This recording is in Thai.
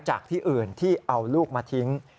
จากที่อื่นที่เอาลูกมาทิ้ง